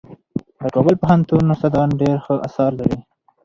د کابل پوهنتون استادان ډېر ښه اثار لري.